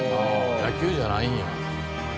野球じゃないんや。